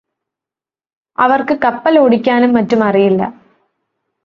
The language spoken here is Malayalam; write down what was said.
അവർക്ക് കപ്പൽ ഓടിക്കാനും മറ്റും അറിയില്ല